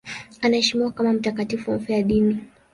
Anaheshimiwa kama mtakatifu mfiadini.